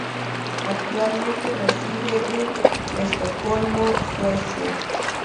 Actualmente reside en Estocolmo, Suecia.